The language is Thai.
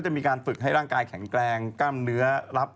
จริงบัวขาวเนี่ย